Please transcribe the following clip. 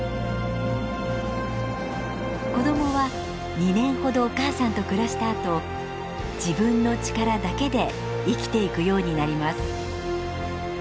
子どもは２年ほどお母さんと暮らしたあと自分の力だけで生きていくようになります。